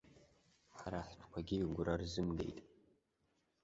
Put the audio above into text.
Ҳара ҳтәқәагьы игәра рзымгеит.